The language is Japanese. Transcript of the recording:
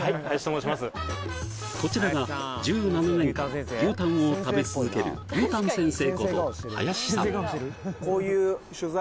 こちらが１７年間牛タンを食べ続ける牛タン先生